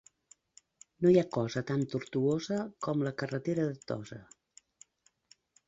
No hi ha cosa tan tortuosa com la carretera de Tossa.